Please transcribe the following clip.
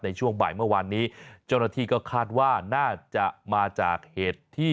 ในช่วงบ่ายเมื่อวานนี้เจ้าหน้าที่ก็คาดว่าน่าจะมาจากเหตุที่